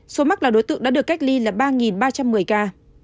số mắc là đối tượng đã được cách ly là ba ba trăm một mươi ca